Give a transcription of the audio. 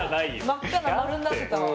真っ赤な丸になってたわ。